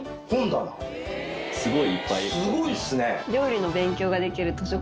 すごいっすね！